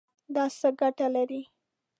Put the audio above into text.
دا څه ګټه لري؟